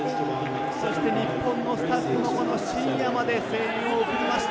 日本のスタッフも深夜まで声援を送りました。